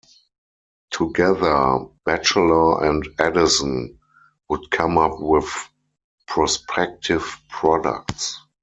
Together Batchelor and Edison would come up with prospective products.